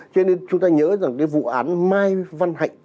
cho nên chúng ta nhớ rằng cái vụ án mai văn hạnh